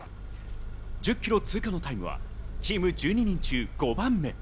１０ｋｍ通過のタイムはチーム１２人中５番目。